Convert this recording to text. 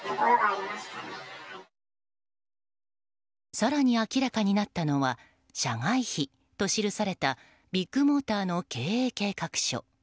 更に明らかになったのは社外秘と記されたビッグモーターの経営計画書。